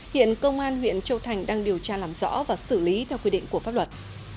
hiện công an huyện châu thành đang điều tra làm rõ và xử lý theo quy định của pháp luật